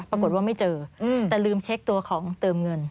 ปรากฏว่าไม่เจอแต่ลืมเช็คตัวของเติมเงิน